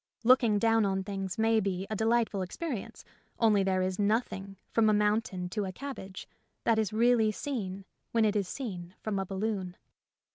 Looking down on things may be a delightful experience, only there is nothing, from a mountain to a cabbage, that is really seen when it is seen from a balloon.